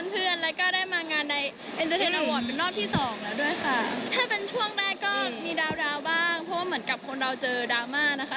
ถ้าเป็นช่วงแรกก็มีดาวดาวบ้างเพราะว่าเหมือนกับคนเราเจอดราม่านะคะ